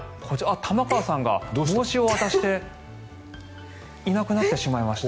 玉川さんが帽子を渡していなくなってしまいました。